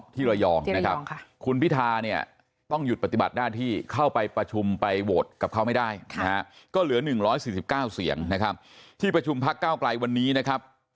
ที่ประชุมพักก้ากลัยวันนี้นะครับ